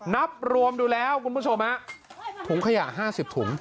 นับรวมดูแล้วคุณผู้ชมฮะถุงขยะ๕๐ถุง